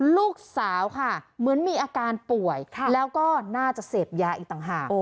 ลูกสาวค่ะเหมือนมีอาการป่วยแล้วก็น่าจะเสพยาอีกต่างหาก